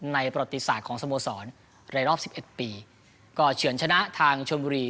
ประวัติศาสตร์ของสโมสรในรอบสิบเอ็ดปีก็เฉินชนะทางชนบุรี